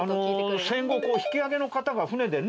戦後引き揚げの方が船でね